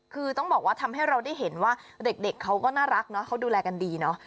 คือต้องบอกว่าทำให้เราได้เห็นว่าเด็กเขาก็น่ารักเนาะเขาดูแลกันดีเนาะ